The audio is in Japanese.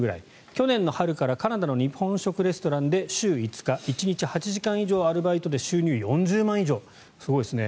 去年の春からカナダの日本食レストランで週５日１日８時間以上アルバイトで収入４０万円以上すごいですね。